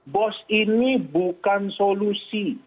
bos ini bukan solusi